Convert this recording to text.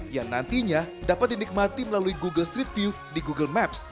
yang nantinya dapat dinikmati melalui google street view di google maps